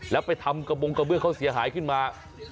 แล้วไปทำกระบงกระเบื้องเขาเสียหายขึ้นมา